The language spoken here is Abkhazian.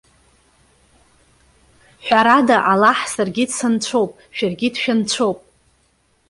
Ҳәарада, Аллаҳ саргьы дсанцәоуп, шәаргьы дшәанцәоуп.